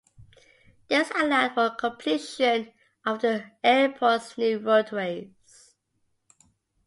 This allowed for completion of the airport's new roadways.